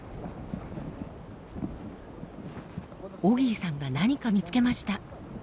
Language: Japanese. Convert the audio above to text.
オギーさんが何か見つけました。